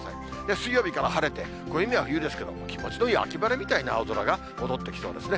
水曜日から晴れて、暦では冬ですけど、気持ちのいい秋晴れみたいな青空が戻ってきそうですね。